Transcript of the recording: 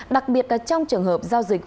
đặc biệt là trong trường hợp giao dịch